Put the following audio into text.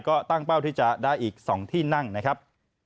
ก็ตั้งเป้าที่จะได้อีก๒ที่นั่งนะครับ